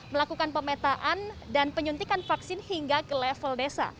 melakukan pemetaan dan penyuntikan vaksin hingga ke level desa